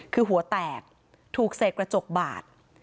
คือหัวแตกถูกเสกกระจกบาด